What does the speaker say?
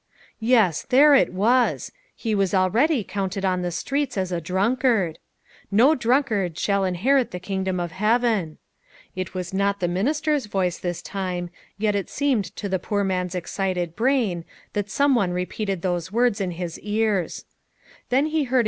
Yes, there it was ! he \vas already, counted on the streets as a drunkard. " No drunkard shall inherit the kingdom of heaven." It was not the minister's voice this time; yet it seemed to the poor man's excited brain that some one repeated those words in his ears.